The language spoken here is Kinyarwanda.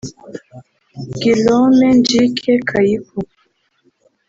Guillaume Ndjike Kaiko